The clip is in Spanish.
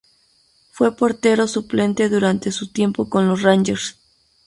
Fue portero suplente durante su tiempo con los Rangers.